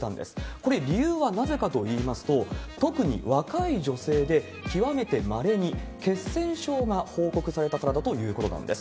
これ、理由はなぜかといいますと、特に若い女性で極めてまれに血栓症が報告されたからだということなんです。